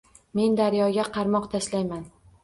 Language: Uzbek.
Men daryoga qarmoq tashlayman